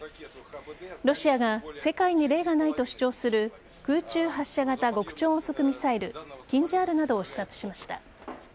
ロシアが世界で例がないと主張する空中発射型極超音速ミサイルキンジャールなどを視察しました。